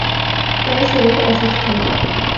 তাঁর শরীর অসুস্থ।